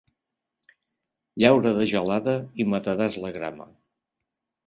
Llaura de gelada i mataràs la grama.